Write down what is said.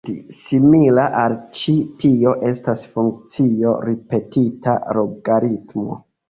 Simila al ĉi tio estas funkcio ripetita logaritmo.